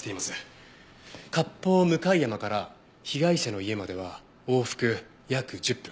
割烹向山から被害者の家までは往復約１０分。